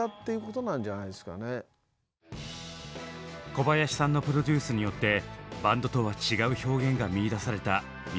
小林さんのプロデュースによってバンドとは違う表現が見いだされた宮本さん。